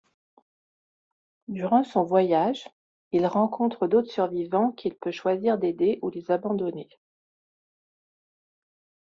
Durant son voyage, il rencontre d'autres survivants, qu'il peut choisir d'aider ou les abandonner.